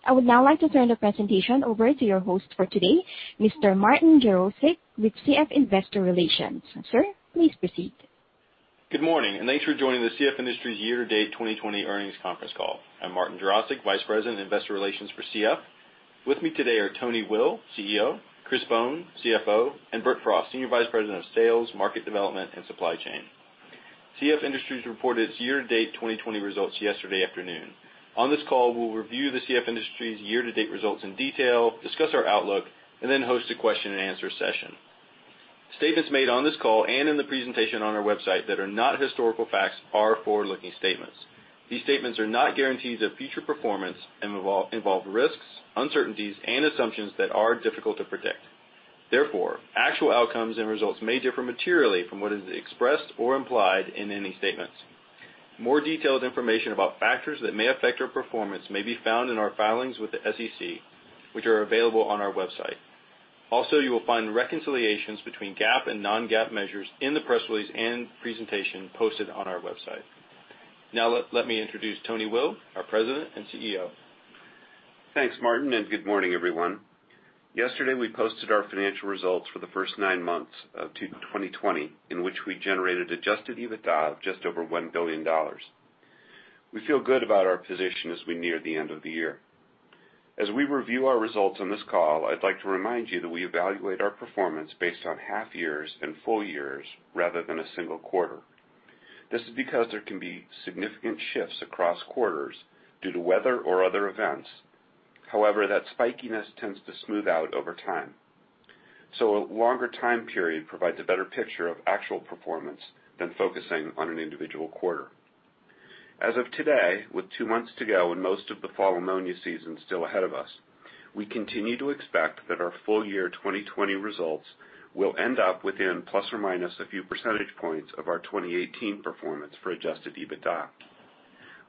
I would now like to turn the presentation over to your host for today, Mr. Martin Jarosick, with CF Investor Relations. Sir, please proceed. Good morning, thanks for joining the CF Industries' year-to-date 2020 earnings conference call. I'm Martin Jarosick, Vice President, Investor Relations for CF. With me today are Tony Will, CEO, Chris Bohn, CFO, and Bert Frost, Senior Vice President, Sales, Market Development, and Supply Chain. CF Industries reported its year-to-date 2020 results yesterday afternoon. On this call, we'll review the CF Industries year-to-date results in detail, discuss our outlook, and then host a question and answer session. Statements made on this call and in the presentation on our website that are not historical facts are forward-looking statements. These statements are not guarantees of future performance and involve risks, uncertainties, and assumptions that are difficult to predict. Therefore, actual outcomes and results may differ materially from what is expressed or implied in any statements. More detailed information about factors that may affect our performance may be found in our filings with the SEC, which are available on our website. Also, you will find reconciliations between GAAP and non-GAAP measures in the press release and presentation posted on our website. Now let me introduce Tony Will, our President and CEO. Thanks, Martin. Good morning, everyone. Yesterday, we posted our financial results for the first nine months of 2020, in which we generated adjusted EBITDA of just over $1 billion. We feel good about our position as we near the end of the year. As we review our results on this call, I'd like to remind you that we evaluate our performance based on half years and full years rather than a single quarter. That spikiness tends to smooth out over time. A longer time period provides a better picture of actual performance than focusing on an individual quarter. As of today, with 2 months to go and most of the fall ammonia season still ahead of us, we continue to expect that our full year 2020 results will end up within ± a few percentage points of our 2018 performance for adjusted EBITDA.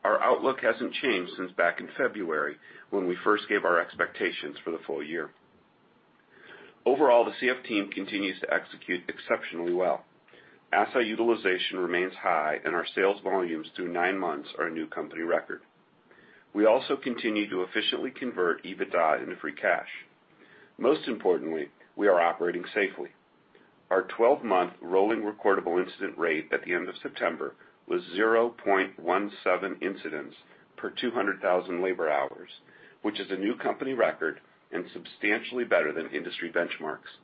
Our outlook hasn't changed since back in February when we first gave our expectations for the full year. Overall, the CF team continues to execute exceptionally well. Asset utilization remains high and our sales volumes through 9 months are a new company record. We also continue to efficiently convert EBITDA into free cash. Most importantly, we are operating safely. Our 12-month rolling recordable incident rate at the end of September was 0.17 incidents per 200,000 labor hours, which is a new company record and substantially better than industry benchmarks.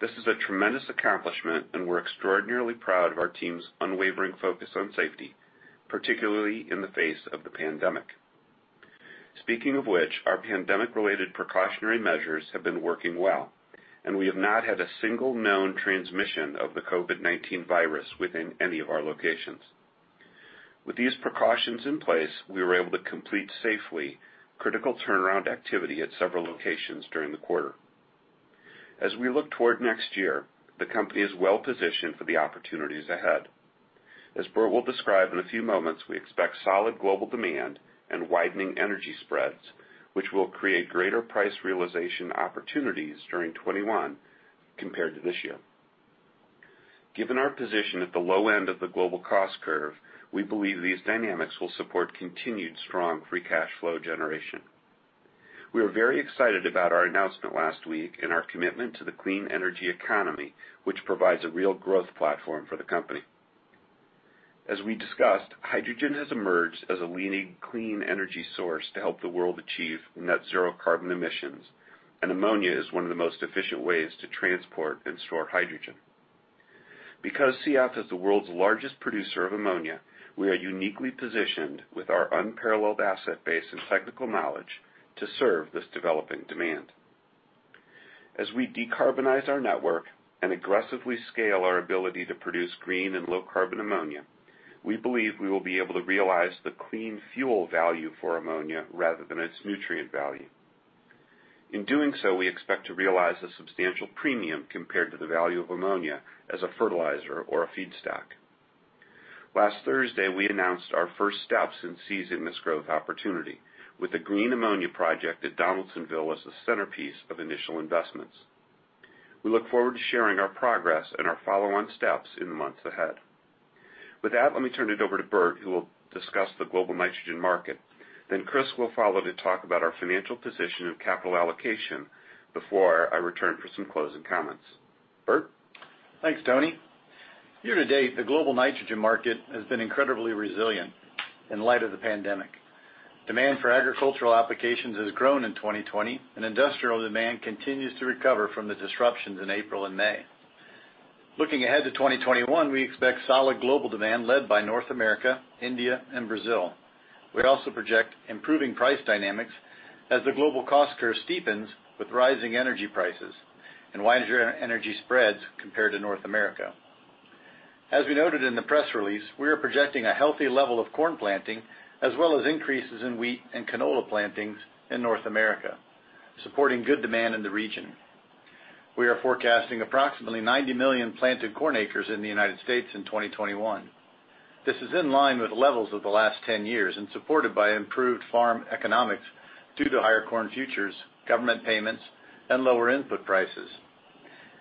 This is a tremendous accomplishment and we're extraordinarily proud of our team's unwavering focus on safety, particularly in the face of the pandemic. Speaking of which, our pandemic-related precautionary measures have been working well, and we have not had a single known transmission of the COVID-19 virus within any of our locations. With these precautions in place, we were able to complete safely critical turnaround activity at several locations during the quarter. As we look toward next year, the company is well positioned for the opportunities ahead. As Bert will describe in a few moments, we expect solid global demand and widening energy spreads, which will create greater price realization opportunities during 2021 compared to this year. Given our position at the low end of the global cost curve, we believe these dynamics will support continued strong free cash flow generation. We are very excited about our announcement last week and our commitment to the clean energy economy, which provides a real growth platform for the company. As we discussed, hydrogen has emerged as a leading clean energy source to help the world achieve net zero carbon emissions, and ammonia is one of the most efficient ways to transport and store hydrogen. Because CF is the world's largest producer of ammonia, we are uniquely positioned with our unparalleled asset base and technical knowledge to serve this developing demand. As we decarbonize our network and aggressively scale our ability to produce green and low carbon ammonia, we believe we will be able to realize the clean fuel value for ammonia rather than its nutrient value. In doing so, we expect to realize a substantial premium compared to the value of ammonia as a fertilizer or a feedstock. Last Thursday, we announced our first steps in seizing this growth opportunity with a green ammonia project at Donaldsonville as the centerpiece of initial investments. We look forward to sharing our progress and our follow-on steps in the months ahead. With that, let me turn it over to Bert, who will discuss the global nitrogen market. Chris will follow to talk about our financial position and capital allocation before I return for some closing comments. Bert? Thanks, Tony. Year to date, the global nitrogen market has been incredibly resilient in light of the pandemic. Demand for agricultural applications has grown in 2020, and industrial demand continues to recover from the disruptions in April and May. Looking ahead to 2021, we expect solid global demand led by North America, India, and Brazil. We also project improving price dynamics as the global cost curve steepens with rising energy prices. Wider energy spreads compared to North America. As we noted in the press release, we are projecting a healthy level of corn planting, as well as increases in wheat and canola plantings in North America, supporting good demand in the region. We are forecasting approximately 90 million planted corn acres in the United States in 2021. This is in line with levels of the last 10 years and supported by improved farm economics due to higher corn futures, government payments, and lower input prices.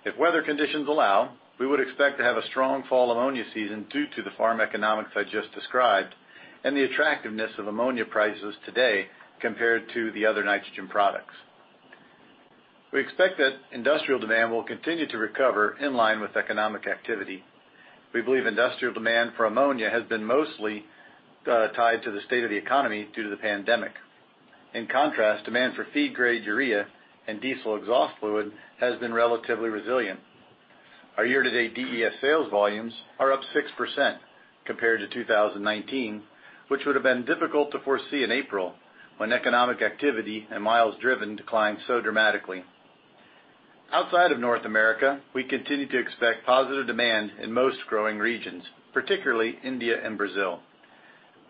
If weather conditions allow, we would expect to have a strong fall ammonia season due to the farm economics I just described and the attractiveness of ammonia prices today compared to the other nitrogen products. We expect that industrial demand will continue to recover in line with economic activity. We believe industrial demand for ammonia has been mostly tied to the state of the economy due to the pandemic. In contrast, demand for feed-grade urea and diesel exhaust fluid has been relatively resilient. Our year-to-date DEF sales volumes are up 6% compared to 2019, which would have been difficult to foresee in April, when economic activity and miles driven declined so dramatically. Outside of North America, we continue to expect positive demand in most growing regions, particularly India and Brazil.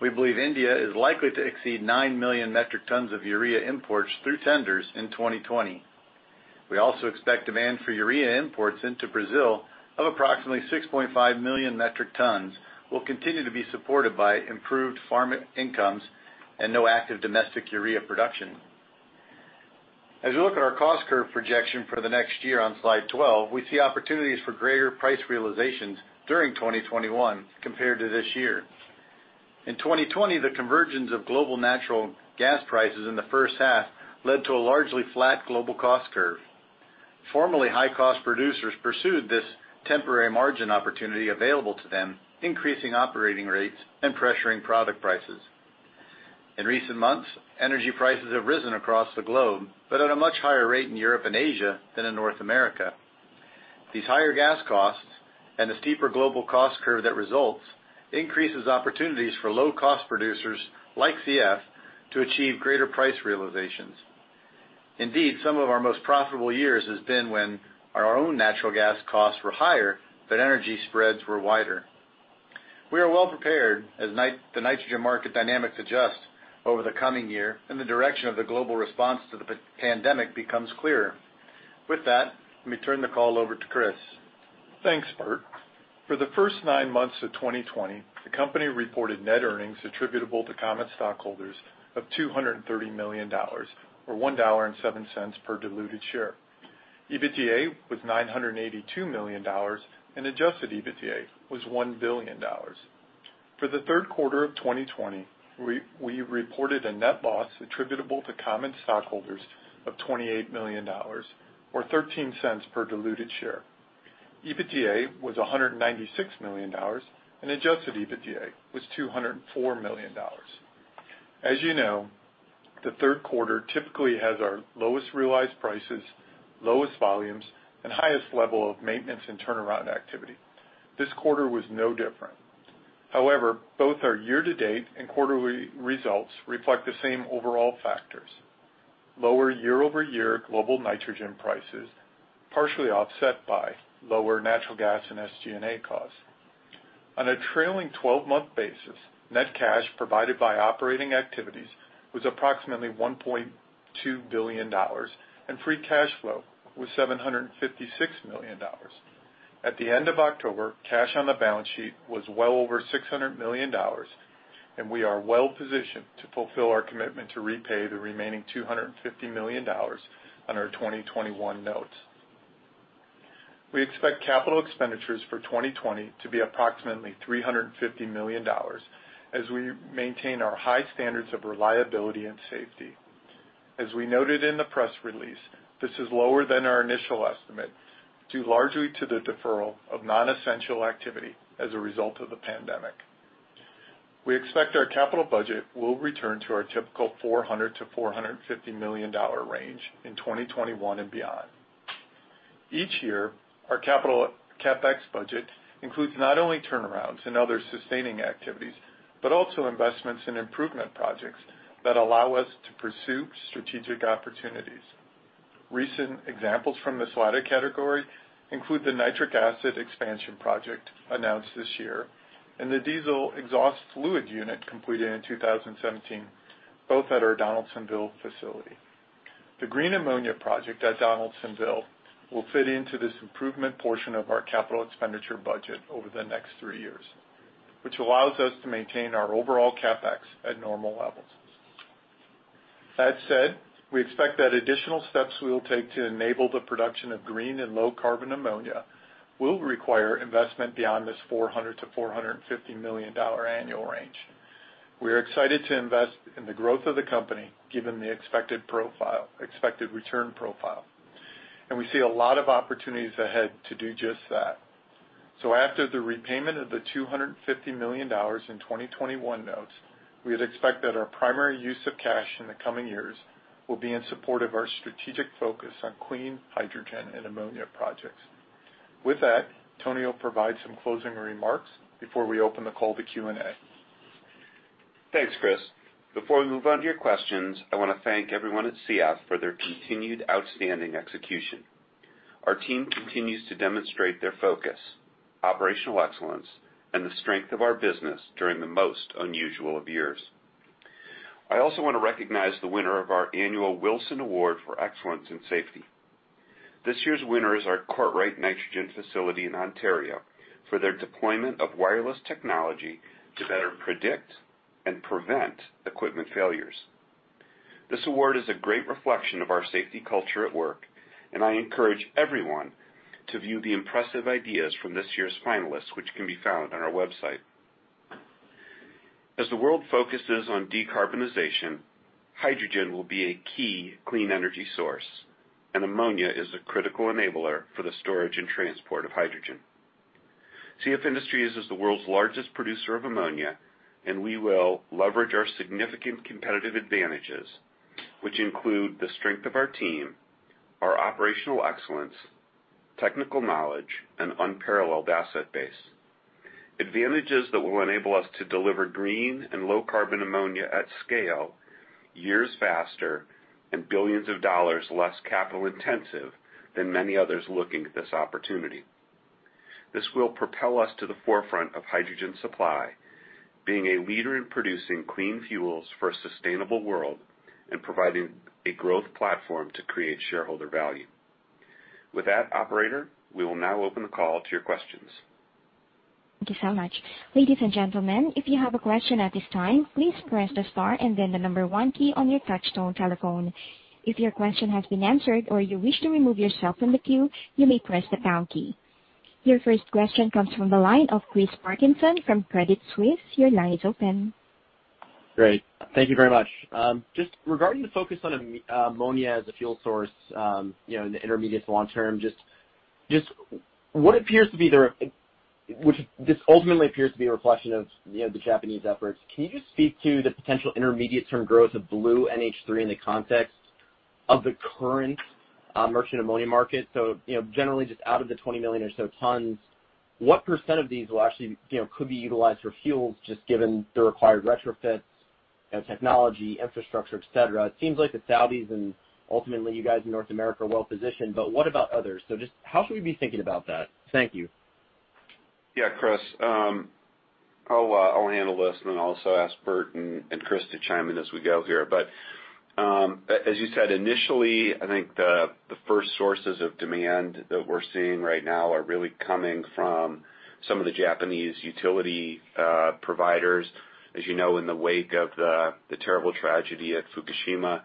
We believe India is likely to exceed nine million metric tons of urea imports through tenders in 2020. We also expect demand for urea imports into Brazil of approximately 6.5 million metric tons will continue to be supported by improved farm incomes and no active domestic urea production. As we look at our cost curve projection for the next year on slide 12, we see opportunities for greater price realizations during 2021 compared to this year. In 2020, the convergence of global natural gas prices in the first half led to a largely flat global cost curve. Formerly high-cost producers pursued this temporary margin opportunity available to them, increasing operating rates and pressuring product prices. In recent months, energy prices have risen across the globe but at a much higher rate in Europe and Asia than in North America. These higher gas costs and the steeper global cost curve that results increases opportunities for low-cost producers like CF to achieve greater price realizations. Indeed, some of our most profitable years has been when our own natural gas costs were higher, but energy spreads were wider. We are well prepared as the nitrogen market dynamics adjust over the coming year and the direction of the global response to the pandemic becomes clearer. With that, let me turn the call over to Chris. Thanks, Bert. For the first 9 months of 2020, the company reported net earnings attributable to common stockholders of $230 million, or $1.07 per diluted share. EBITDA was $982 million, and adjusted EBITDA was $1 billion. For the third quarter of 2020, we reported a net loss attributable to common stockholders of $28 million, or $0.13 per diluted share. EBITDA was $196 million, and adjusted EBITDA was $204 million. As you know, the third quarter typically has our lowest realized prices, lowest volumes, and highest level of maintenance and turnaround activity. This quarter was no different. However, both our year-to-date and quarterly results reflect the same overall factors. Lower year-over-year global nitrogen prices, partially offset by lower natural gas and SG&A costs. On a trailing 12-month basis, net cash provided by operating activities was approximately $1.2 billion, and free cash flow was $756 million. At the end of October, cash on the balance sheet was well over $600 million, and we are well-positioned to fulfill our commitment to repay the remaining $250 million on our 2021 notes. We expect capital expenditures for 2020 to be approximately $350 million as we maintain our high standards of reliability and safety. As we noted in the press release, this is lower than our initial estimate, due largely to the deferral of non-essential activity as a result of the pandemic. We expect our capital budget will return to our typical $400 million-$450 million range in 2021 and beyond. Each year, our CapEx budget includes not only turnarounds and other sustaining activities, but also investments in improvement projects that allow us to pursue strategic opportunities. Recent examples from this latter category include the nitric acid expansion project announced this year and the diesel exhaust fluid unit completed in 2017, both at our Donaldsonville facility. The green ammonia project at Donaldsonville will fit into this improvement portion of our capital expenditure budget over the next three years, which allows us to maintain our overall CapEx at normal levels. That said, we expect that additional steps we will take to enable the production of green and low carbon ammonia will require investment beyond this $400 million-$450 million annual range. We are excited to invest in the growth of the company given the expected return profile. We see a lot of opportunities ahead to do just that. After the repayment of the $250 million in 2021 notes, we would expect that our primary use of cash in the coming years will be in support of our strategic focus on clean hydrogen and ammonia projects. With that, Tony will provide some closing remarks before we open the call to Q&A. Thanks, Chris. Before we move on to your questions, I want to thank everyone at CF for their continued outstanding execution. Our team continues to demonstrate their focus, operational excellence, and the strength of our business during the most unusual of years. I also want to recognize the winner of our annual Wilson Award for excellence in safety. This year's winner is our Courtright Nitrogen facility in Ontario for their deployment of wireless technology to better predict and prevent equipment failures. This award is a great reflection of our safety culture at work, and I encourage everyone to view the impressive ideas from this year's finalists, which can be found on our website. As the world focuses on decarbonization, hydrogen will be a key clean energy source. Ammonia is a critical enabler for the storage and transport of hydrogen. CF Industries is the world's largest producer of ammonia, and we will leverage our significant competitive advantages, which include the strength of our team, our operational excellence, technical knowledge, and unparalleled asset base. Advantages that will enable us to deliver green and low-carbon ammonia at scale, years faster and billions of dollars less capital intensive than many others looking at this opportunity. This will propel us to the forefront of hydrogen supply, being a leader in producing clean fuels for a sustainable world, and providing a growth platform to create shareholder value. With that, operator, we will now open the call to your questions. Your first question comes from the line of Chris Parkinson from Credit Suisse. Your line is open. Great. Thank you very much. Just regarding the focus on ammonia as a fuel source in the intermediate to long term, this ultimately appears to be a reflection of the Japanese efforts. Can you just speak to the potential intermediate term growth of blue NH3 in the context of the current merchant ammonia market? Generally just out of the 20 million or so tons, what % of these could be utilized for fuels, just given the required retrofits, technology, infrastructure, et cetera? It seems like the Saudis and ultimately you guys in North America are well-positioned, but what about others? Just how should we be thinking about that? Thank you. Yeah, Chris. I'll handle this and then also ask Bert and Chris to chime in as we go here. As you said, initially, I think the first sources of demand that we're seeing right now are really coming from some of the Japanese utility providers. As you know, in the wake of the terrible tragedy at Fukushima,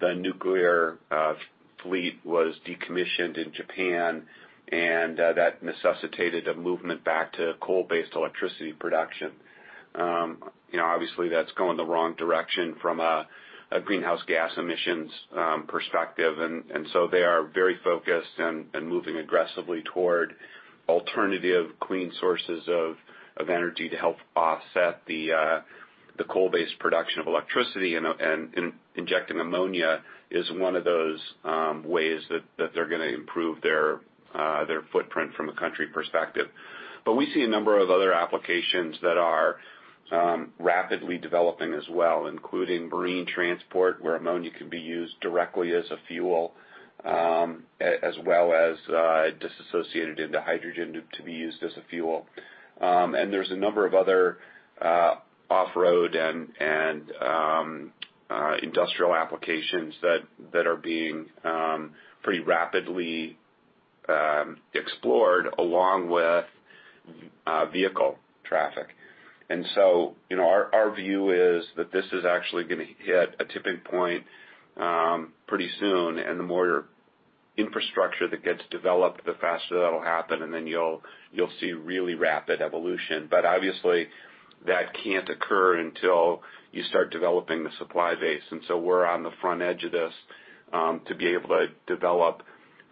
the nuclear fleet was decommissioned in Japan, and that necessitated a movement back to coal-based electricity production. Obviously, that's going the wrong direction from a greenhouse gas emissions perspective. They are very focused and moving aggressively toward alternative clean sources of energy to help offset the coal-based production of electricity. Injecting ammonia is one of those ways that they're going to improve their footprint from a country perspective. We see a number of other applications that are rapidly developing as well, including marine transport, where ammonia can be used directly as a fuel, as well as disassociated into hydrogen to be used as a fuel. There's a number of other off-road and industrial applications that are being pretty rapidly explored along with vehicle traffic. Our view is that this is actually going to hit a tipping point pretty soon. The more infrastructure that gets developed, the faster that'll happen, and then you'll see really rapid evolution. Obviously, that can't occur until you start developing the supply base. We're on the front edge of this to be able to develop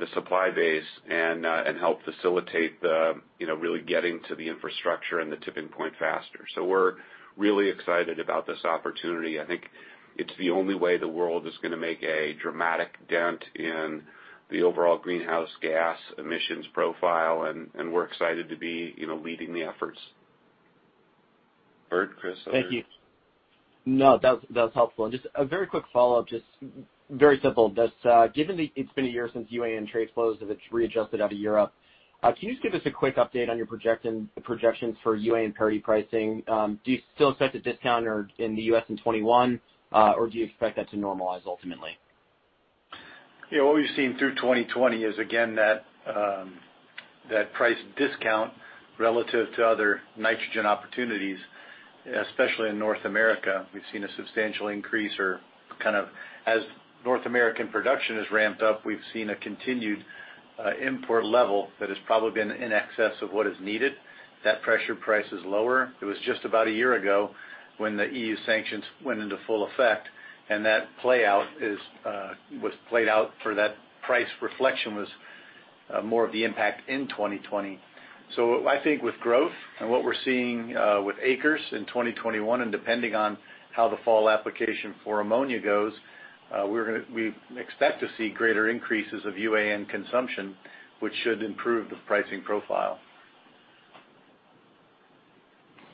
the supply base and help facilitate really getting to the infrastructure and the tipping point faster. We're really excited about this opportunity. I think it's the only way the world is going to make a dramatic dent in the overall greenhouse gas emissions profile, and we're excited to be leading the efforts. Bert, Chris, others? Thank you. No, that was helpful. Just a very quick follow-up, just very simple. Given it's been a year since UAN trade flows have readjusted out of Europe, can you just give us a quick update on your projections for UAN parity pricing? Do you still expect a discount in the U.S. in 2021 or do you expect that to normalize ultimately? What we've seen through 2020 is, again, that price discount relative to other nitrogen opportunities, especially in North America, we've seen a substantial increase. As North American production has ramped up, we've seen a continued import level that has probably been in excess of what is needed. That pressure price is lower. It was just about a year ago when the EU sanctions went into full effect, and that playout was played out for that price reflection was more of the impact in 2020. I think with growth and what we're seeing with acres in 2021, and depending on how the fall application for ammonia goes, we expect to see greater increases of UAN consumption, which should improve the pricing profile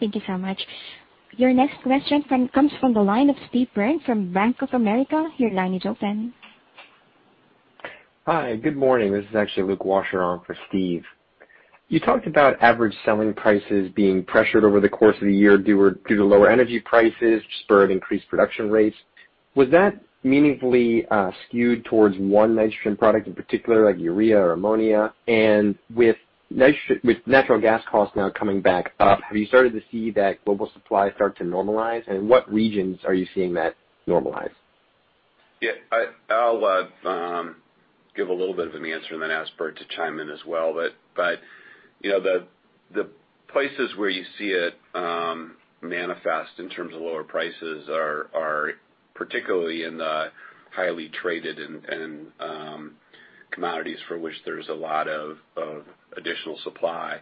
Thank you so much. Your next question comes from the line of Steve Byrne from Bank of America. Your line is open. Hi, good morning. This is actually Luke Washer on for Steve. You talked about average selling prices being pressured over the course of the year due to lower energy prices, spur of increased production rates. Was that meaningfully skewed towards one nitrogen product in particular, like urea or ammonia? With natural gas costs now coming back up, have you started to see that global supply start to normalize? In what regions are you seeing that normalize? I'll give a little bit of an answer and then ask Bert to chime in as well. The places where you see it manifest in terms of lower prices are particularly in the highly traded and commodities for which there's a lot of additional supply.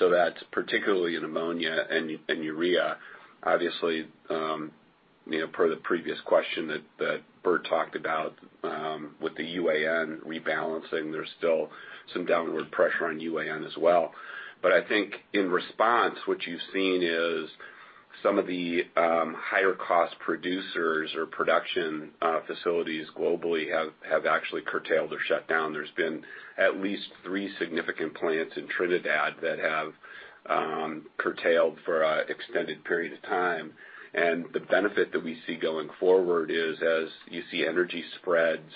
That's particularly in ammonia and urea. Obviously, per the previous question that Bert talked about with the UAN rebalancing, there's still some downward pressure on UAN as well. I think in response, what you've seen is some of the higher cost producers or production facilities globally have actually curtailed or shut down. There's been at least three significant plants in Trinidad that have curtailed for an extended period of time. The benefit that we see going forward is as you see energy spreads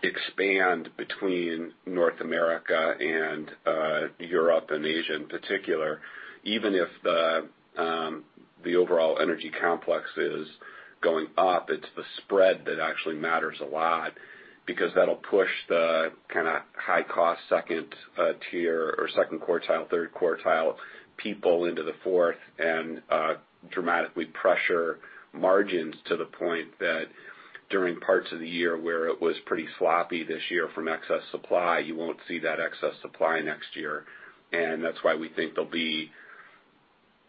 expand between North America and Europe and Asia in particular, even if the overall energy complex is going up, it's the spread that actually matters a lot because that'll push the kind of high cost second tier or second quartile, third quartile people into the fourth and dramatically pressure margins to the point that during parts of the year where it was pretty sloppy this year from excess supply, you won't see that excess supply next year. That's why we think there'll be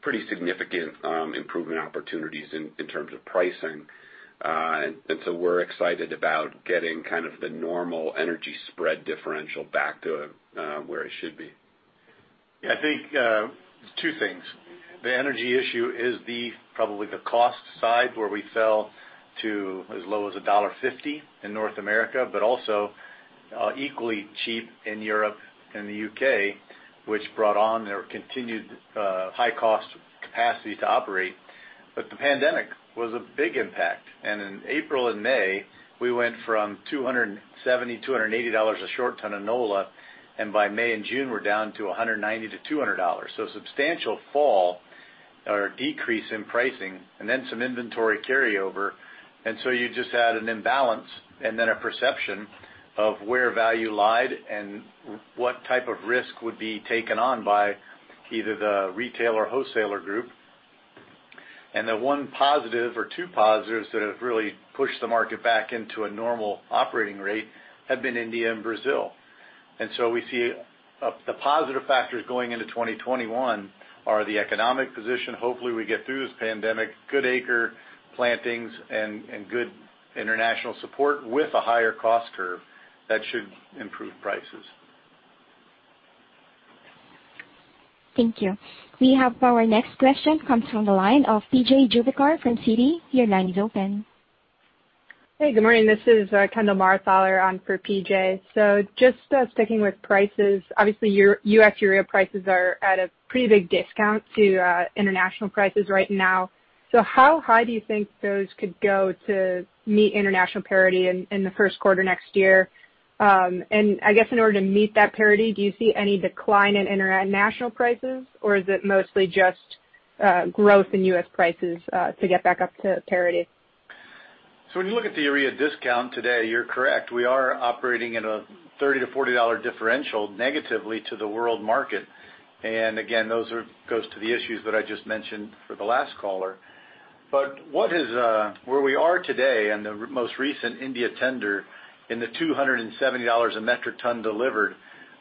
pretty significant improvement opportunities in terms of pricing. We're excited about getting kind of the normal energy spread differential back to where it should be. Yeah, I think two things. The energy issue is probably the cost side, where we fell to as low as $1.50 in North America, but also equally cheap in Europe and the U.K., which brought on their continued high cost capacity to operate. The pandemic was a big impact, in April and May, we went from $270, $280 a short ton of NOLA, and by May and June, we're down to $190-$200. Substantial fall or decrease in pricing and then some inventory carryover. You just had an imbalance and then a perception of where value lay and what type of risk would be taken on by either the retail or wholesaler group. The one positive or two positives that have really pushed the market back into a normal operating rate have been India and Brazil. We see the positive factors going into 2021 are the economic position. Hopefully, we get through this pandemic, good acre plantings and good international support with a higher cost curve that should improve prices. Thank you. We have our next question comes from the line of P.J. Juvekar from Citi. Your line is open. Hey, good morning. This is Kendall Marthaler on for PJ. Just sticking with prices, obviously, your U.S. urea prices are at a pretty big discount to international prices right now. How high do you think those could go to meet international parity in the first quarter next year? I guess in order to meet that parity, do you see any decline in international prices or is it mostly just growth in U.S. prices to get back up to parity? When you look at the urea discount today, you're correct. We are operating at a $30-$40 differential negatively to the world market. Again, those goes to the issues that I just mentioned for the last caller. Where we are today in the most recent India tender in the $270 a metric ton delivered,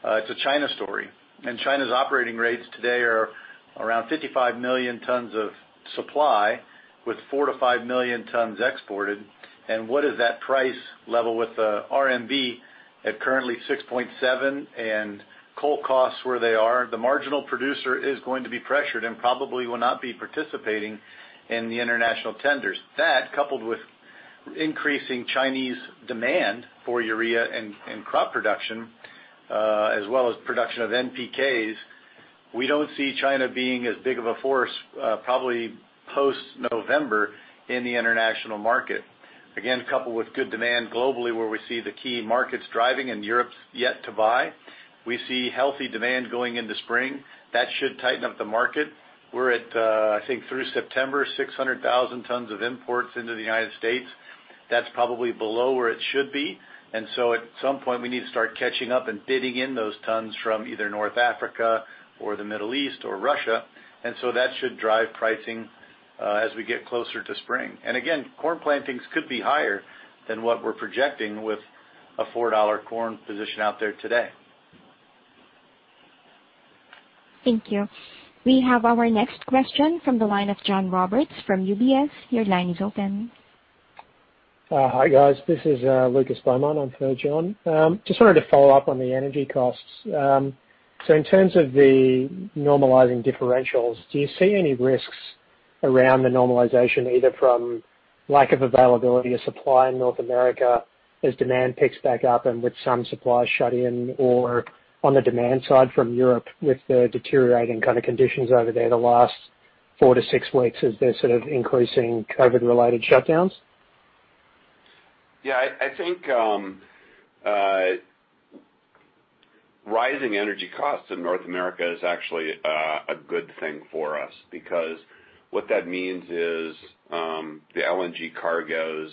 it's a China story. China's operating rates today are around 55 million tons of supply with 4 million-5 million tons exported. What is that price level with the RMB at currently 6.7 and coal costs where they are? The marginal producer is going to be pressured and probably will not be participating in the international tenders. That coupled with increasing Chinese demand for urea and crop production, as well as production of NPK, we don't see China being as big of a force probably post November in the international market. Again, coupled with good demand globally where we see the key markets driving and Europe's yet to buy. We see healthy demand going into spring. That should tighten up the market. We're at, I think through September, 600,000 tons of imports into the United States. That's probably below where it should be. At some point, we need to start catching up and bidding in those tons from either North Africa or the Middle East or Russia. That should drive pricing as we get closer to spring. Again, corn plantings could be higher than what we're projecting with a $4 corn position out there today. Thank you. We have our next question from the line of John Roberts from UBS. Your line is open. Hi, guys. This is Lucas Beaumont. I'm for John. Just wanted to follow up on the energy costs. In terms of the normalizing differentials, do you see any risks around the normalization, either from lack of availability of supply in North America as demand picks back up and with some supply shut-in, or on the demand side from Europe with the deteriorating kind of conditions over there the last four to six weeks as they're sort of increasing COVID-related shutdowns? Yeah, I think rising energy costs in North America is actually a good thing for us, because what that means is, the LNG cargos,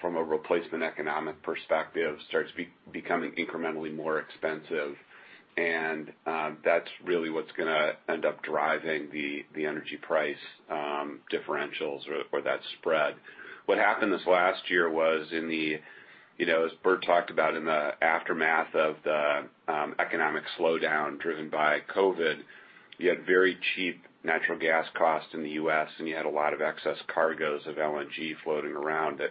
from a replacement economic perspective, starts becoming incrementally more expensive. That's really what's going to end up driving the energy price differentials or that spread. What happened this last year was in the, as Bert talked about in the aftermath of the economic slowdown driven by COVID-19, you had very cheap natural gas costs in the U.S., and you had a lot of excess cargoes of LNG floating around that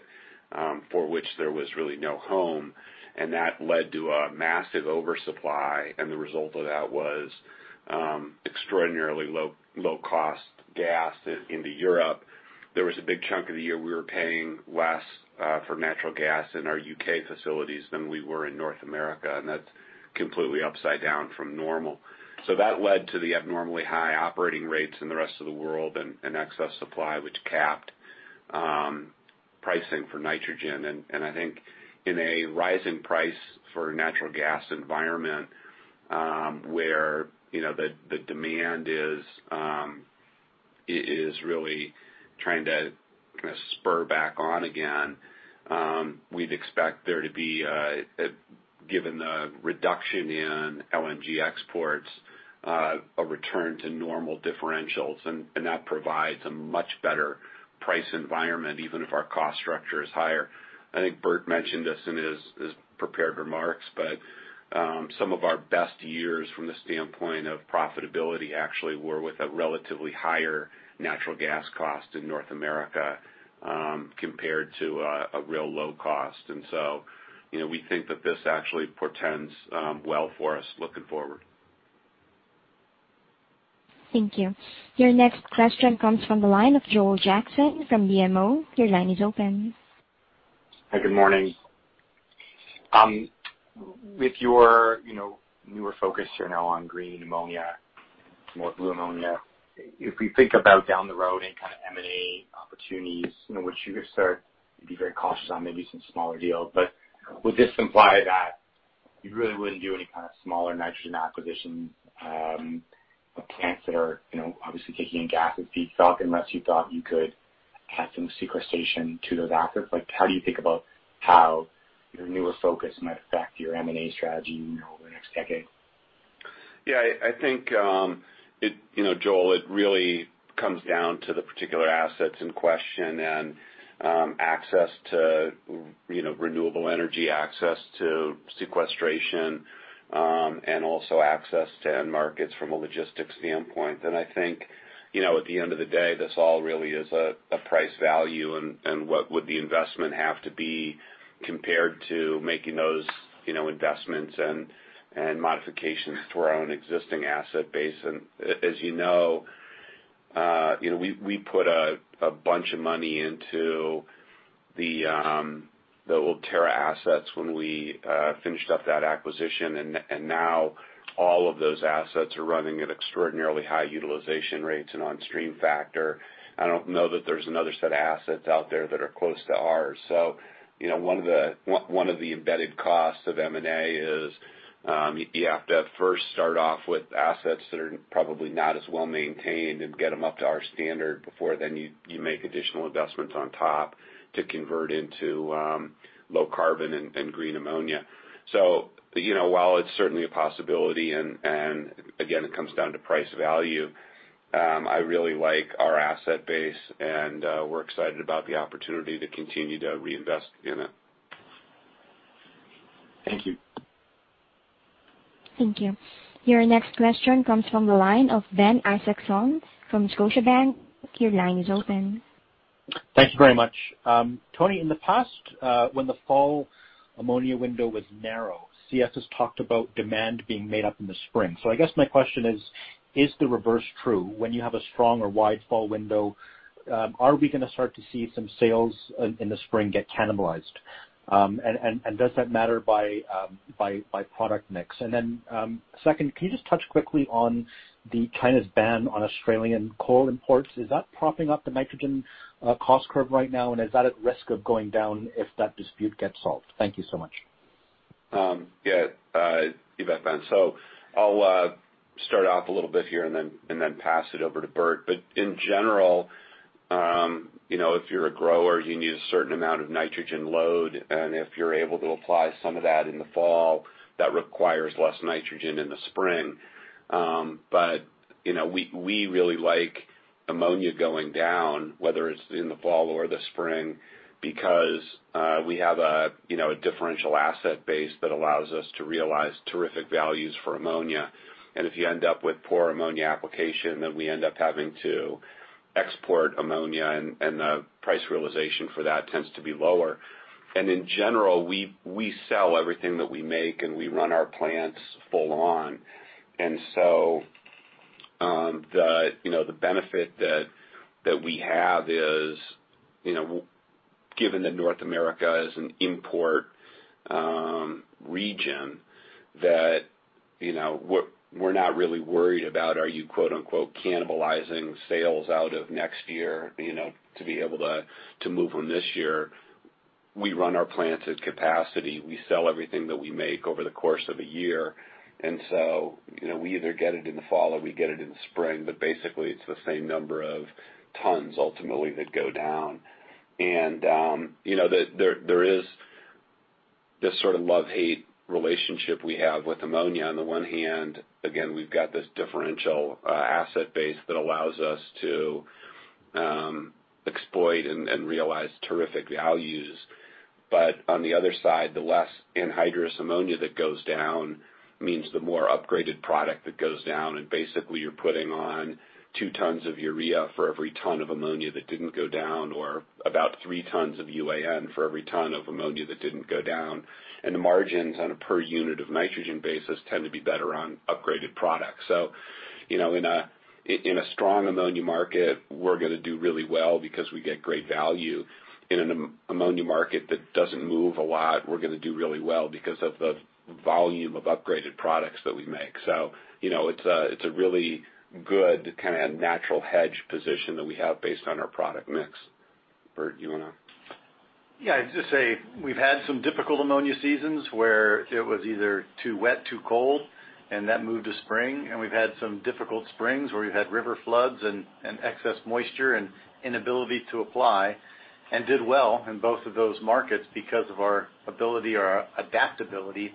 for which there was really no home, and that led to a massive oversupply, and the result of that was extraordinarily low cost gas into Europe. There was a big chunk of the year we were paying less for natural gas in our U.K. facilities than we were in North America, that's completely upside down from normal. That led to the abnormally high operating rates in the rest of the world and excess supply, which capped pricing for nitrogen. I think in a rising price for natural gas environment, where the demand is really trying to kind of spur back on again, we'd expect there to be, given the reduction in LNG exports, a return to normal differentials. That provides a much better price environment, even if our cost structure is higher. I think Bert mentioned this in his prepared remarks, some of our best years from the standpoint of profitability actually were with a relatively higher natural gas cost in North America, compared to a real low cost. We think that this actually portends well for us looking forward. Thank you. Your next question comes from the line of Joel Jackson from BMO. Your line is open. Hi, good morning. With your newer focus here now on green ammonia, more blue ammonia. If we think about down the road any kind of M&A opportunities, which you guys said you'd be very cautious on maybe some smaller deals. Would this imply that you really wouldn't do any kind of smaller nitrogen acquisitions of plants that are obviously taking gas as feedstock unless you thought you could add some sequestration to those assets? How do you think about how your newer focus might affect your M&A strategy over the next decade? I think, Joel, it really comes down to the particular assets in question and access to renewable energy, access to sequestration, and also access to end markets from a logistics standpoint. I think at the end of the day, this all really is a price value and what would the investment have to be compared to making those investments and modifications to our own existing asset base. As you know, we put a bunch of money into the old Terra assets when we finished up that acquisition. Now all of those assets are running at extraordinarily high utilization rates and on stream factor. I don't know that there's another set of assets out there that are close to ours. One of the embedded costs of M&A is, you have to first start off with assets that are probably not as well maintained and get them up to our standard before then you make additional investments on top to convert into low carbon and green ammonia. While it's certainly a possibility and again, it comes down to price value, I really like our asset base and we're excited about the opportunity to continue to reinvest in it. Thank you. Thank you. Your next question comes from the line of Ben Isaacson from Scotiabank. Your line is open. Thank you very much. Tony, in the past, when the fall ammonia window was narrow, CF has talked about demand being made up in the spring. I guess my question is the reverse true? When you have a strong or wide fall window, are we going to start to see some sales in the spring get cannibalized? Does that matter by product mix? Second, can you just touch quickly on the China's ban on Australian coal imports. Is that propping up the nitrogen cost curve right now, and is that at risk of going down if that dispute gets solved? Thank you so much. You bet, Ben. I'll start off a little bit here and then pass it over to Bert. In general, if you're a grower, you need a certain amount of nitrogen load, and if you're able to apply some of that in the fall, that requires less nitrogen in the spring. We really like ammonia going down, whether it's in the fall or the spring, because we have a differential asset base that allows us to realize terrific values for ammonia. If you end up with poor ammonia application, then we end up having to export ammonia and the price realization for that tends to be lower. In general, we sell everything that we make and we run our plants full on. The benefit that we have is, given that North America is an import region, that we're not really worried about are you "cannibalizing sales out of next year" to be able to move from this year. We run our plants at capacity. We sell everything that we make over the course of a year. We either get it in the fall or we get it in the spring, but basically it's the same number of tons ultimately that go down. There is this sort of love-hate relationship we have with ammonia. On the one hand, again, we've got this differential asset base that allows us to exploit and realize terrific values. On the other side, the less anhydrous ammonia that goes down means the more upgraded product that goes down. Basically you're putting on 2 tons of urea for every ton of ammonia that didn't go down, or about 3 tons of UAN for every ton of ammonia that didn't go down. The margins on a per unit of nitrogen basis tend to be better on upgraded product. In a strong ammonia market, we're going to do really well because we get great value. In an ammonia market that doesn't move a lot, we're going to do really well because of the volume of upgraded products that we make. It's a really good kind of natural hedge position that we have based on our product mix. Bert, you want to? Yeah. I'd just say we've had some difficult ammonia seasons where it was either too wet, too cold, that moved to spring. We've had some difficult springs where we've had river floods and excess moisture and inability to apply, and did well in both of those markets because of our ability or our adaptability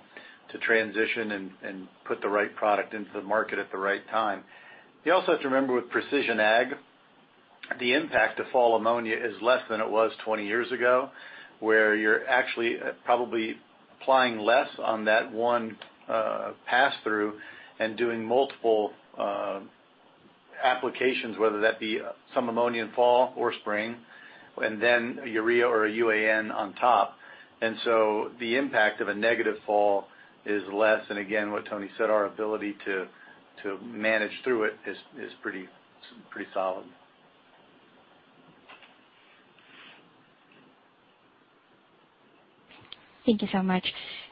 to transition and put the right product into the market at the right time. You also have to remember with precision ag, the impact of fall ammonia is less than it was 20 years ago, where you're actually probably applying less on that one pass through and doing multiple applications, whether that be some ammonia in fall or spring, and then urea or a UAN on top. The impact of a negative fall is less. Again, what Tony said, our ability to manage through it is pretty solid. Thank you so much.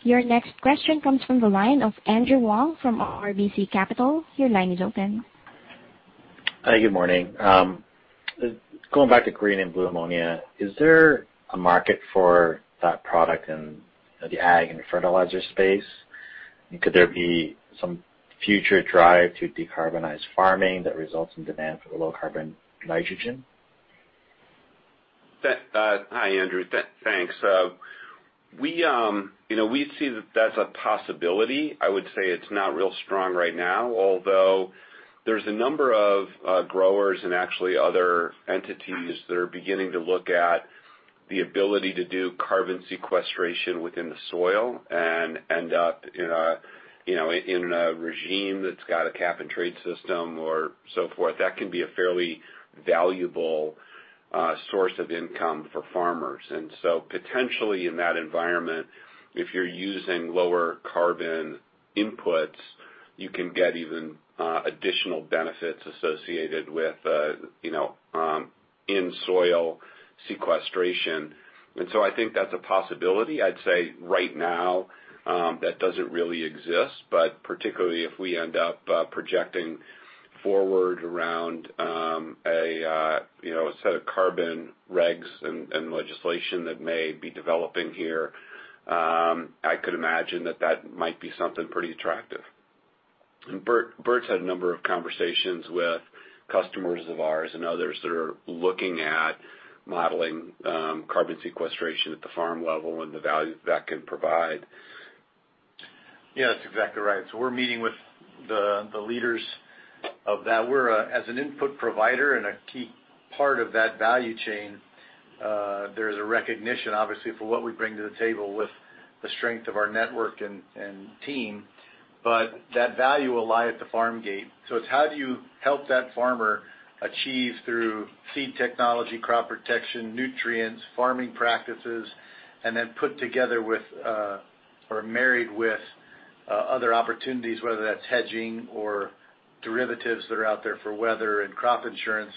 Your next question comes from the line of Andrew Wong from RBC Capital. Your line is open. Hi, good morning. Going back to green and blue ammonia, is there a market for that product in the ag and fertilizer space? Could there be some future drive to decarbonize farming that results in demand for the low carbon nitrogen? Hi, Andrew. Thanks. We see that that's a possibility. I would say it's not real strong right now, although there's a number of growers and actually other entities that are beginning to look at the ability to do carbon sequestration within the soil and end up in a regime that's got a cap and trade system or so forth. That can be a fairly valuable source of income for farmers. Potentially in that environment, if you're using lower carbon inputs, you can get even additional benefits associated with in-soil sequestration. I think that's a possibility. I'd say right now that doesn't really exist, particularly if we end up projecting forward around a set of carbon regs and legislation that may be developing here, I could imagine that that might be something pretty attractive. Bert's had a number of conversations with customers of ours and others that are looking at modeling carbon sequestration at the farm level and the value that can provide. Yeah, that's exactly right. We're meeting with the leaders of that. As an input provider and a key part of that value chain, there is a recognition, obviously, for what we bring to the table with the strength of our network and team, but that value will lie at the farm gate. It's how do you help that farmer achieve through seed technology, crop protection, nutrients, farming practices, and then put together with or married with other opportunities, whether that's hedging or derivatives that are out there for weather and crop insurance,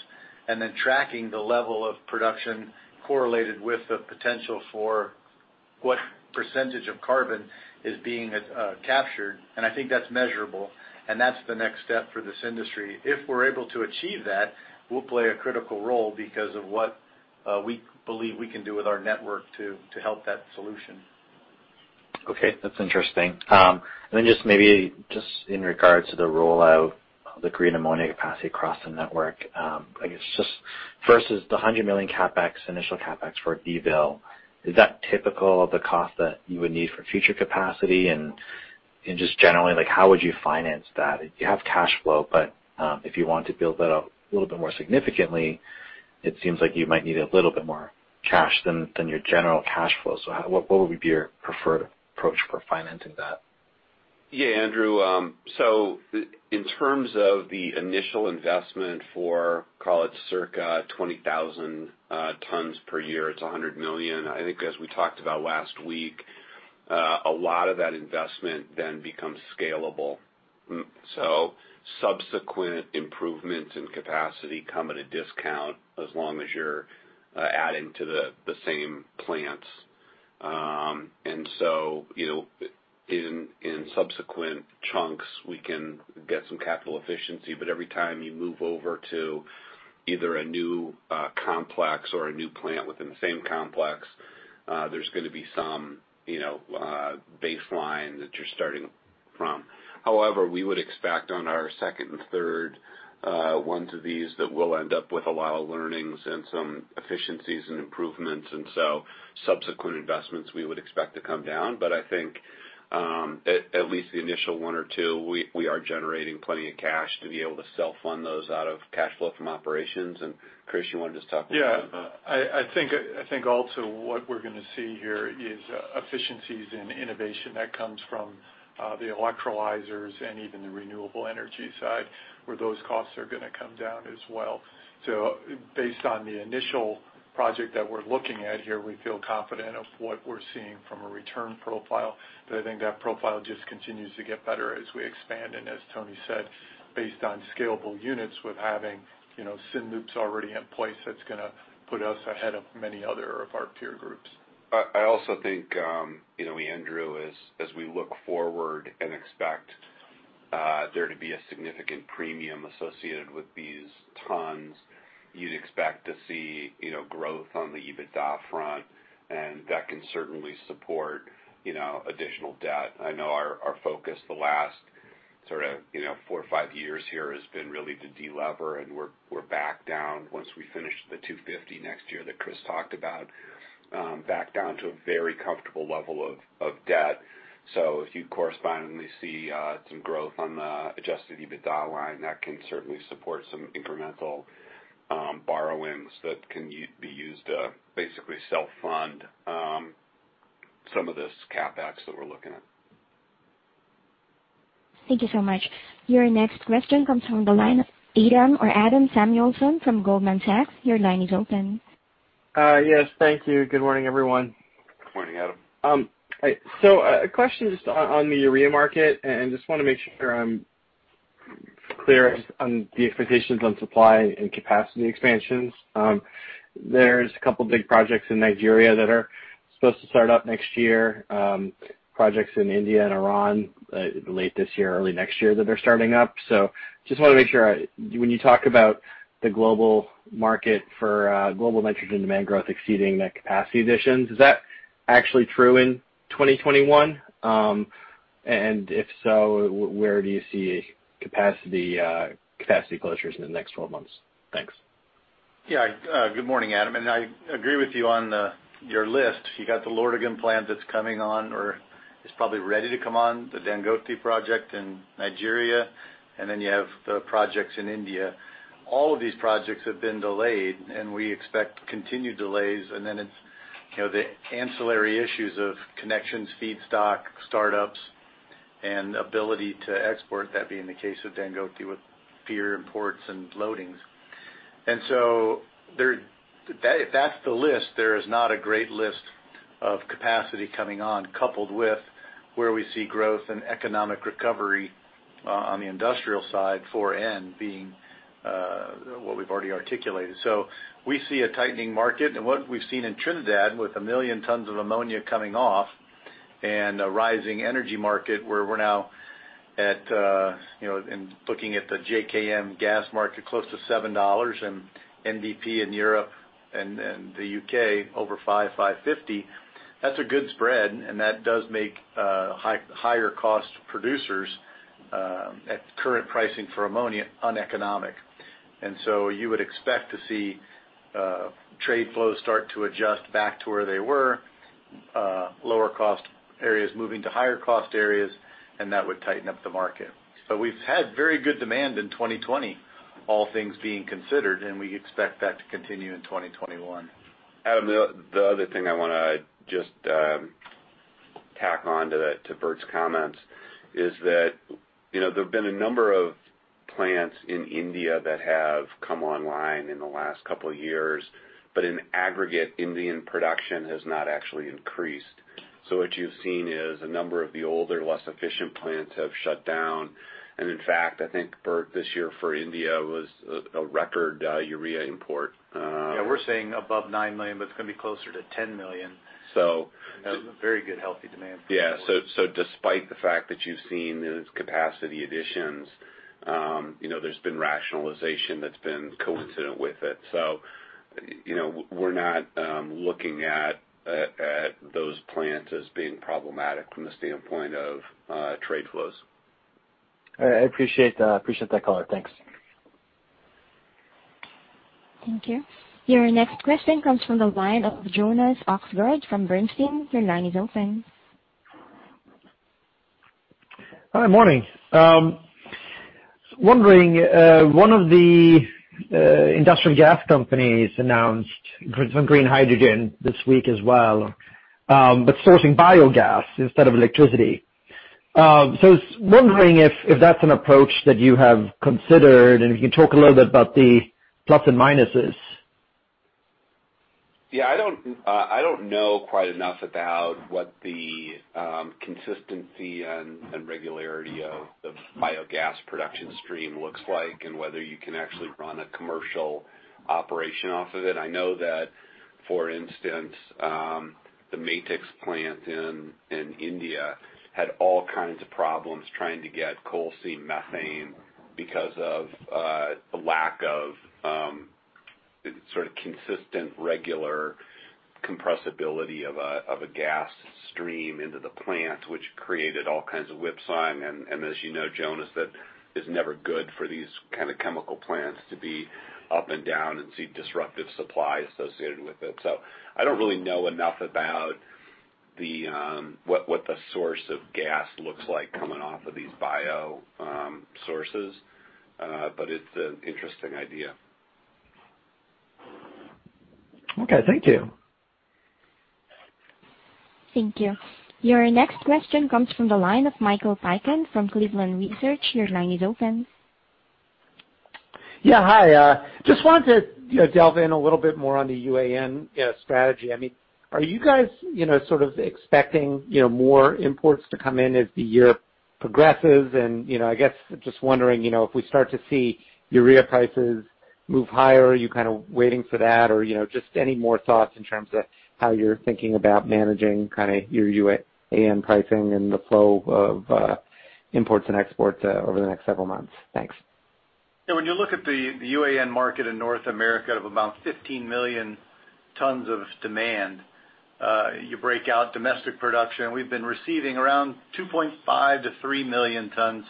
and then tracking the level of production correlated with the potential for what percentage of carbon is being captured. I think that's measurable, and that's the next step for this industry. If we're able to achieve that, we'll play a critical role because of what we believe we can do with our network to help that solution. Okay. That's interesting. Then just maybe just in regards to the rollout of the green ammonia capacity across the network. I guess just first is the $100 million initial CapEx for Donaldsonville. Is that typical of the cost that you would need for future capacity? Just generally, how would you finance that? You have cash flow, but if you want to build that up a little bit more significantly, it seems like you might need a little bit more cash than your general cash flow. What would be your preferred approach for financing that? Yeah, Andrew. In terms of the initial investment for, call it, circa 20,000 tons per year, it's $100 million. I think as we talked about last week, a lot of that investment then becomes scalable. Subsequent improvements in capacity come at a discount as long as you're adding to the same plants. In subsequent chunks, we can get some capital efficiency, but every time you move over to either a new complex or a new plant within the same complex, there's going to be some baseline that you're starting from. However, we would expect on our second and third ones of these that we'll end up with a lot of learnings and some efficiencies and improvements, and so subsequent investments we would expect to come down. I think, at least the initial one or two, we are generating plenty of cash to be able to self-fund those out of cash flow from operations. Chris, you want to just talk about that? Yeah. I think also what we're going to see here is efficiencies in innovation that comes from the electrolyzers and even the renewable energy side, where those costs are going to come down as well. Based on the initial project that we're looking at here, we feel confident of what we're seeing from a return profile. I think that profile just continues to get better as we expand, and as Tony said, based on scalable units with having syn-loops already in place, that's going to put us ahead of many other of our peer groups. Also think, Andrew, as we look forward and expect there to be a significant premium associated with these tons, you'd expect to see growth on the EBITDA front, and that can certainly support additional debt. I know our focus the last four or five years here has been really to delever, and we're back down once we finish the $250 next year that Chris talked about, back down to a very comfortable level of debt. If you correspondingly see some growth on the adjusted EBITDA line, that can certainly support some incremental borrowings that can be used to basically self-fund some of this CapEx that we're looking at. Thank you so much. Your next question comes from the line of Adam Samuelson from Goldman Sachs. Your line is open. Yes. Thank you. Good morning, everyone. Good morning, Adam. A question just on the urea market, and just want to make sure I'm clear on the expectations on supply and capacity expansions. There's a couple big projects in Nigeria that are supposed to start up next year, projects in India and Iran late this year or early next year that are starting up. Just want to make sure, when you talk about the global market for global nitrogen demand growth exceeding net capacity additions, is that actually true in 2021? If so, where do you see capacity closures in the next 12 months? Thanks. Yeah. Good morning, Adam. I agree with you on your list. You got the Lordegan plant that's coming on, or is probably ready to come on, the Dangote project in Nigeria, you have the projects in India. All of these projects have been delayed, we expect continued delays, it's the ancillary issues of connections, feedstock, startups, and ability to export, that being the case with Dangote with pier imports and loadings. That's the list. There is not a great list of capacity coming on, coupled with where we see growth and economic recovery on the industrial side for N being what we've already articulated. We see a tightening market. What we've seen in Trinidad, with 1 million tons of ammonia coming off and a rising energy market where we're now at, in looking at the JKM gas market, close to $7 and NBP in Europe and the U.K. over $5.50. That's a good spread. That does make higher cost producers at current pricing for ammonia uneconomic. You would expect to see trade flows start to adjust back to where they were, lower cost areas moving to higher cost areas, and that would tighten up the market. We've had very good demand in 2020, all things being considered, and we expect that to continue in 2021. Adam, the other thing I want to just tack on to Bert's comments is that there have been a number of plants in India that have come online in the last couple of years. In aggregate, Indian production has not actually increased. What you've seen is a number of the older, less efficient plants have shut down. In fact, I think, Bert, this year for India was a record urea import. Yeah. We're saying above 9 million, but it's going to be closer to 10 million. So- That was a very good, healthy demand for imports. Yeah. Despite the fact that you've seen those capacity additions, there's been rationalization that's been coincident with it. We're not looking at those plants as being problematic from the standpoint of trade flows. All right. I appreciate that color. Thanks. Thank you. Your next question comes from the line of Jonas Oxgaard from Bernstein. Your line is open. Hi. Morning. Wondering, one of the industrial gas companies announced some green hydrogen this week as well, but sourcing biogas instead of electricity. I was wondering if that's an approach that you have considered, and if you can talk a little bit about the plus and minuses. Yeah, I don't know quite enough about what the consistency and regularity of the biogas production stream looks like and whether you can actually run a commercial operation off of it. I know that, for instance, the Matix plant in India had all kinds of problems trying to get coal seam methane because of the lack of consistent, regular compressibility of a gas stream into the plant, which created all kinds of whipsaw. As you know, Jonas, that is never good for these kind of chemical plants to be up and down and see disruptive supply associated with it. I don't really know enough about what the source of gas looks like coming off of these bio sources, but it's an interesting idea. Okay, thank you. Thank you. Your next question comes from the line of Michael Piken from Cleveland Research. Your line is open. Yeah, hi. Just wanted to delve in a little bit more on the UAN strategy. Are you guys expecting more imports to come in as the year progresses? I guess just wondering, if we start to see urea prices move higher, are you waiting for that? Just any more thoughts in terms of how you're thinking about managing your UAN pricing and the flow of imports and exports over the next several months. Thanks. Yeah, when you look at the UAN market in North America of about 15 million tons of demand, you break out domestic production, we've been receiving around 2.5 million-3 million tons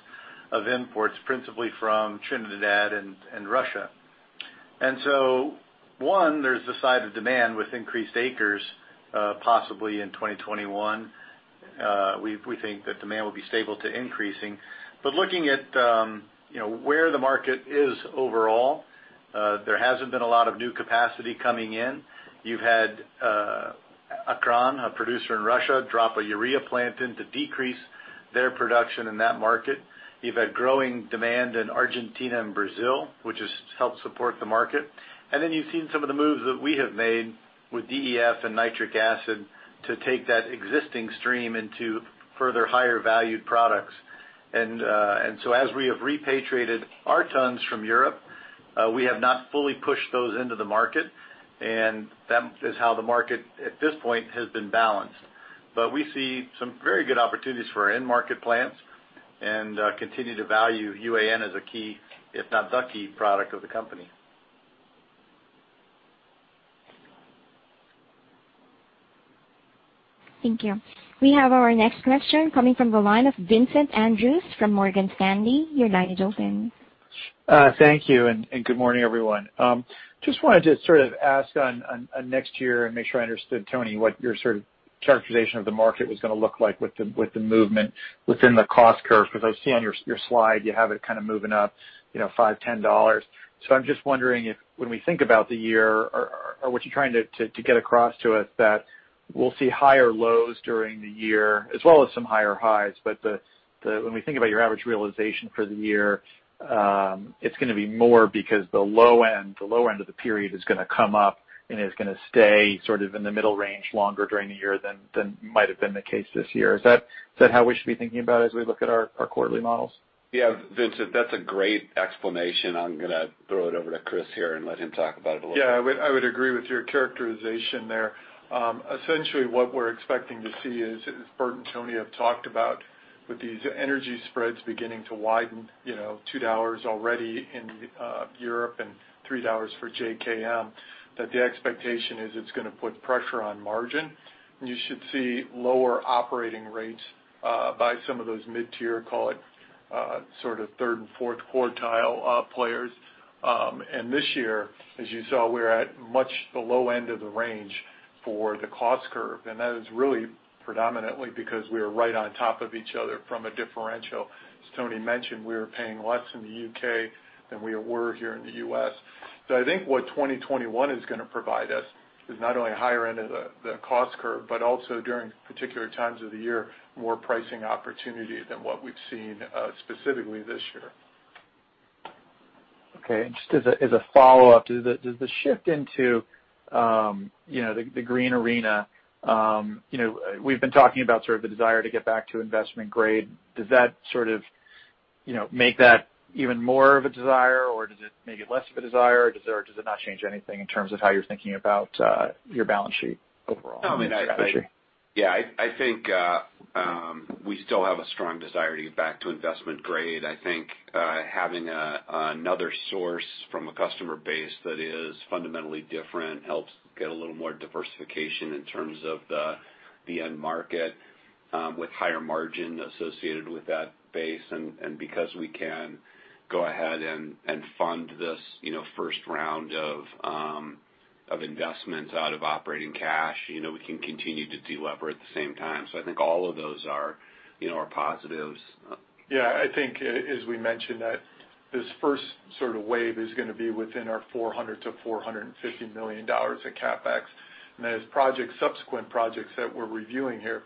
of imports, principally from Trinidad and Russia. One, there's the side of demand with increased acres, possibly in 2021. We think that demand will be stable to increasing. Looking at where the market is overall, there hasn't been a lot of new capacity coming in. You've had Acron, a producer in Russia, drop a urea plant in to decrease their production in that market. You've had growing demand in Argentina and Brazil, which has helped support the market. You've seen some of the moves that we have made with DEF and nitric acid to take that existing stream into further higher valued products. As we have repatriated our tons from Europe, we have not fully pushed those into the market, and that is how the market at this point has been balanced. We see some very good opportunities for our end market plants and continue to value UAN as a key, if not the key product of the company. Thank you. We have our next question coming from the line of Vincent Andrews from Morgan Stanley. Your line is open. Thank you, good morning, everyone. Just wanted to sort of ask on next year and make sure I understood, Tony, what your sort of characterization of the market was going to look like with the movement within the cost curve, because I see on your slide you have it kind of moving up $5-$10. I'm just wondering if when we think about the year or what you're trying to get across to us that we'll see higher lows during the year as well as some higher highs. When we think about your average realization for the year, it's going to be more because the low end of the period is going to come up and is going to stay sort of in the middle range longer during the year than might have been the case this year. Is that how we should be thinking about as we look at our quarterly models? Yeah, Vincent, that's a great explanation. I'm going to throw it over to Chris here and let him talk about it a little bit. Yeah, I would agree with your characterization there. Essentially what we're expecting to see as Bert and Tony have talked about with these energy spreads beginning to widen, $2 already in Europe and $3 for JKM, that the expectation is it's going to put pressure on margin, and you should see lower operating rates by some of those mid-tier, call it sort of third and fourth quartile players. This year, as you saw, we were at much the low end of the range for the cost curve. That is really predominantly because we are right on top of each other from a differential. As Tony mentioned, we are paying less in the U.K. than we were here in the U.S. I think what 2021 is going to provide us is not only a higher end of the cost curve, but also during particular times of the year, more pricing opportunity than what we've seen specifically this year. Okay. Just as a follow-up, does the shift into the green arena, we've been talking about sort of the desire to get back to investment grade, does that sort of make that even more of a desire, or does it make it less of a desire, or does it not change anything in terms of how you're thinking about your balance sheet overall and strategy? Yeah, I think we still have a strong desire to get back to investment grade. I think having another source from a customer base that is fundamentally different helps get a little more diversification in terms of the end market with higher margin associated with that base. Because we can go ahead and fund this first round of investments out of operating cash. We can continue to delever at the same time. I think all of those are positives. Yeah, I think as we mentioned that this first sort of wave is going to be within our $400 million-$450 million of CapEx. As subsequent projects that we're reviewing here,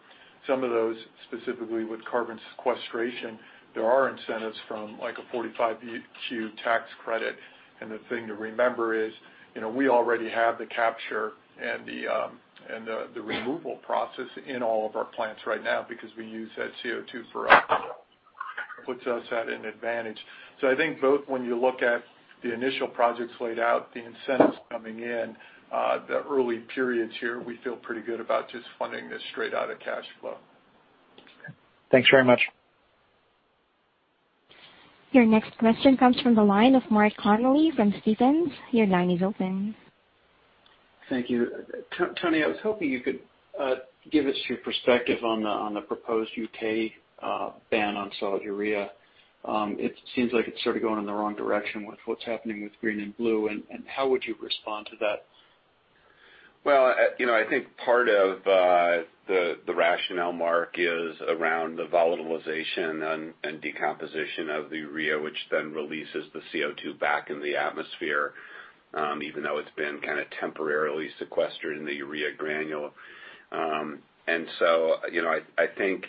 some of those, specifically with carbon sequestration, there are incentives from like a 45Q tax credit. The thing to remember is, we already have the capture and the removal process in all of our plants right now because we use that CO2 for urea, which puts us at an advantage. I think both when you look at the initial projects laid out, the incentives coming in, the early periods here, we feel pretty good about just funding this straight out of cash flow. Okay. Thanks very much. Your next question comes from the line of Mark Connelly from Stephens. Your line is open. Thank you. Tony, I was hoping you could give us your perspective on the proposed U.K. ban on solid urea. It seems like it's sort of going in the wrong direction with what's happening with green and blue, and how would you respond to that? I think part of the rationale, Mark, is around the volatilization and decomposition of the urea, which then releases the CO2 back in the atmosphere. Even though it's been kind of temporarily sequestered in the urea granule. I think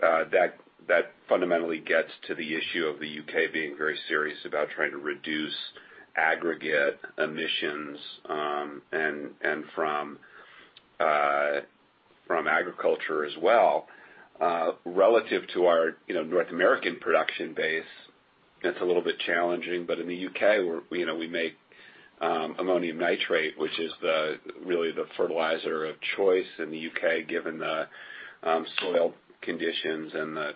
that fundamentally gets to the issue of the U.K. being very serious about trying to reduce aggregate emissions, and from agriculture as well. Relative to our North American production base, it's a little bit challenging. In the U.K., we make ammonium nitrate, which is really the fertilizer of choice in the U.K., given the soil conditions and the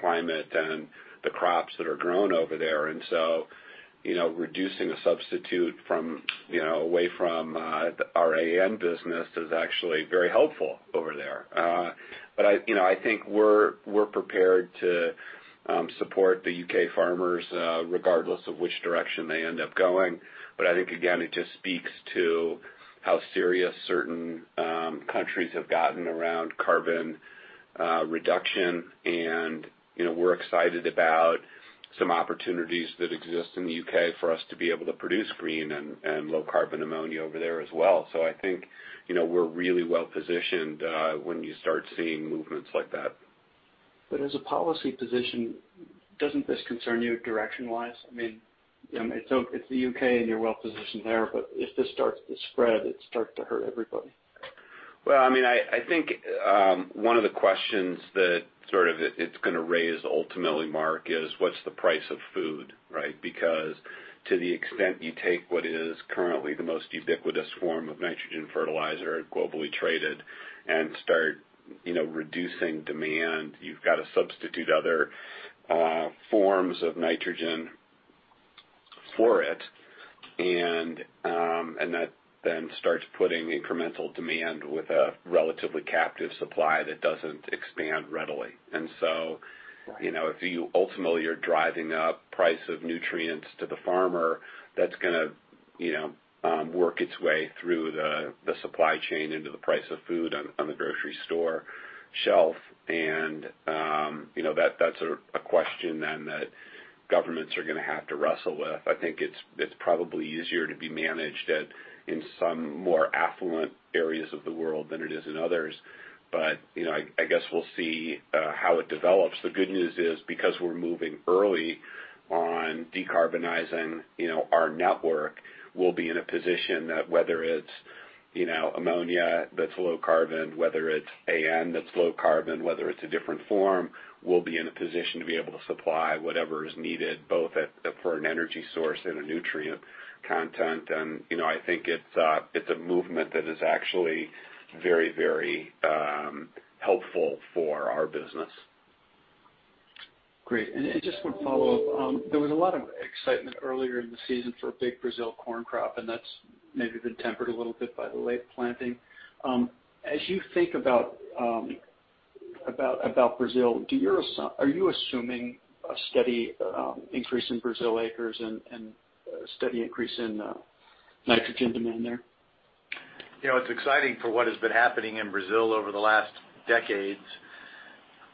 climate and the crops that are grown over there. Reducing the substitute away from the AN business is actually very helpful over there. I think we're prepared to support the U.K. farmers regardless of which direction they end up going. I think, again, it just speaks to how serious certain countries have gotten around carbon reduction. We're excited about some opportunities that exist in the U.K. for us to be able to produce green and low carbon ammonia over there as well. I think we're really well positioned when you start seeing movements like that. As a policy position, doesn't this concern you direction-wise? It's the U.K. and you're well positioned there, but if this starts to spread, it starts to hurt everybody. Well, I think one of the questions that it's going to raise ultimately, Mark, is what's the price of food, right? To the extent you take what is currently the most ubiquitous form of nitrogen fertilizer globally traded and start reducing demand, you've got to substitute other forms of nitrogen for it. That then starts putting incremental demand with a relatively captive supply that doesn't expand readily. Ultimately, you're driving up price of nutrients to the farmer that's going to work its way through the supply chain into the price of food on the grocery store shelf. That's a question then that governments are going to have to wrestle with. I think it's probably easier to be managed in some more affluent areas of the world than it is in others. I guess we'll see how it develops. The good news is, because we're moving early on decarbonizing our network, we'll be in a position that whether it's ammonia that's low carbon, whether it's AN that's low carbon, whether it's a different form, we'll be in a position to be able to supply whatever is needed both for an energy source and a nutrient content. I think it's a movement that is actually very helpful for our business. Great. I just want to follow up. There was a lot of excitement earlier in the season for a big Brazil corn crop, and that's maybe been tempered a little bit by the late planting. As you think about Brazil, are you assuming a steady increase in Brazil acres and a steady increase in nitrogen demand there? It's exciting for what has been happening in Brazil over the last decades.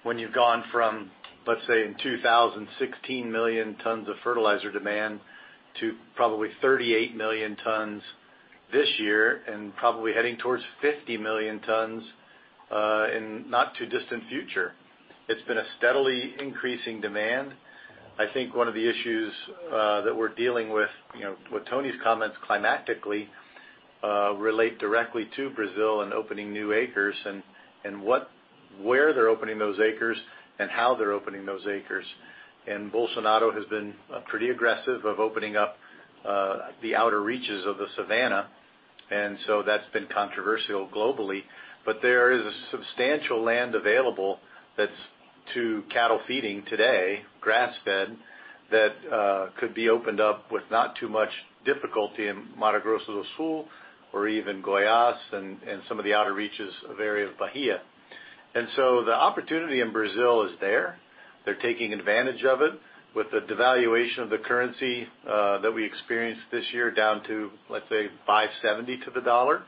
When you've gone from, let's say in 2000, 16 million tons of fertilizer demand to probably 38 million tons this year and probably heading towards 50 million tons in not too distant future. It's been a steadily increasing demand. I think one of the issues that we're dealing with Tony's comments climatically relate directly to Brazil and opening new acres and where they're opening those acres and how they're opening those acres. Bolsonaro has been pretty aggressive of opening up the outer reaches of the savanna, that's been controversial globally. There is substantial land available that's to cattle feeding today, grass-fed, that could be opened up with not too much difficulty in Mato Grosso do Sul or even Goiás and some of the outer reaches of area of Bahia. The opportunity in Brazil is there. They're taking advantage of it with the devaluation of the currency that we experienced this year down to, let's say, 570 to the dollar.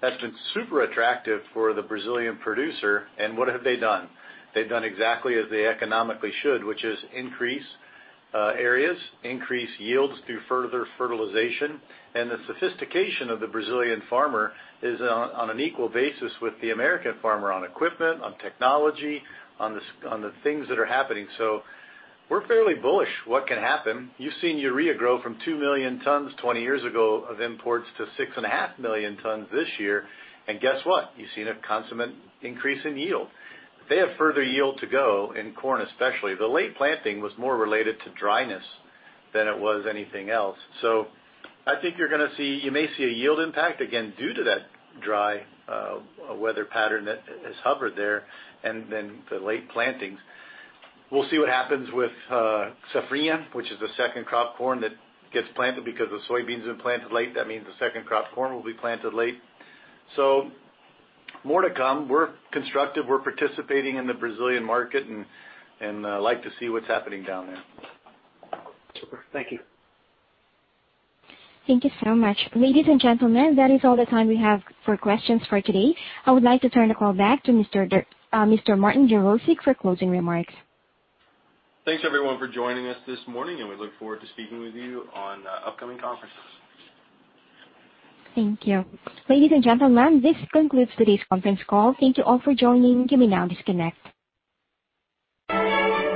That's been super attractive for the Brazilian producer. What have they done? They've done exactly as they economically should, which is increase areas, increase yields through further fertilization. The sophistication of the Brazilian farmer is on an equal basis with the American farmer on equipment, on technology, on the things that are happening. We're fairly bullish what can happen. You've seen urea grow from 2 million tons 20 years ago of imports to 6.5 million tons this year. Guess what? You've seen a commensurate increase in yield. They have further yield to go in corn especially. The late planting was more related to dryness than it was anything else. I think you may see a yield impact again due to that dry weather pattern that has hovered there and then the late plantings. We'll see what happens with safrinha, which is the second crop corn that gets planted because the soybeans have planted late. That means the second crop corn will be planted late. More to come. We're constructive. We're participating in the Brazilian market and like to see what's happening down there. Thank you. Thank you so much. Ladies and gentlemen, that is all the time we have for questions for today. I would like to turn the call back to Mr. Martin Jarosick for closing remarks. Thanks, everyone, for joining us this morning. We look forward to speaking with you on upcoming conferences. Thank you. Ladies and gentlemen, this concludes today's conference call. Thank you all for joining. You may now disconnect.